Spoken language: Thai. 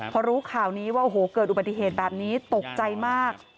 เพราะรู้ขาวว่าเกิดอุบัติเหตุแบบนี้ตกใจมาก